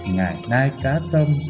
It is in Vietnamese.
ngày nay cá tôm